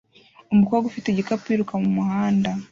Umukobwa ufite igikapu yiruka mumuhanda